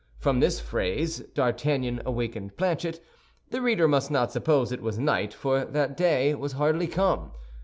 From this phrase, "D'Artagnan awakened Planchet," the reader must not suppose it was night, or that day was hardly come.